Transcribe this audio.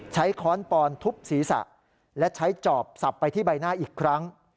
ค้อนปอนทุบศีรษะและใช้จอบสับไปที่ใบหน้าอีกครั้ง